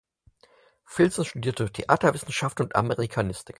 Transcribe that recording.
Filzen studierte Theaterwissenschaften und Amerikanistik.